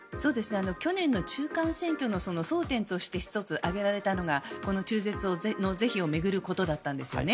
去年の中間選挙の争点として１つ挙げられたのがこの中絶の是非を巡ることだったんですよね。